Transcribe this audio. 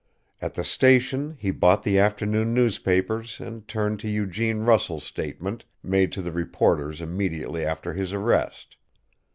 At the station he bought the afternoon newspapers and turned to Eugene Russell's statement, made to the reporters immediately after his arrest.